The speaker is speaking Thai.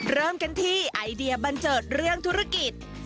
เริ่มกันที่ไอเดียบันเจิดเรื่องธุรกิจ